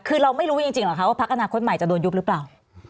คือเราไม่รู้จริงเหรอคะว่าพักอนาคตใหม่จะโดนยุบหรือเปล่า